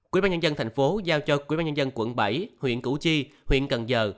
quỹ ban nhân dân thành phố giao cho quỹ ban nhân dân quận bảy huyện củ chi huyện cần giờ